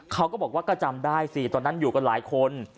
เขาก็บอกว่าก็จำได้สิตอนนั้นอยู่กันหลายคน